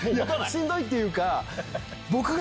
しんどいっていうか。